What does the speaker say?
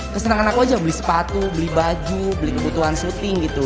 kesenangan aku aja beli sepatu beli baju beli kebutuhan syuting gitu